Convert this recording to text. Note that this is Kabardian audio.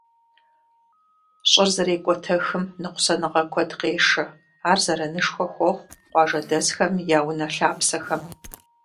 Щӏыр зэрекӏуэтэхым ныкъусаныгъэ куэд къешэ, ар зэранышхуэ хуохъу къуажэдэсхэм я унэ-лъапсэхэм.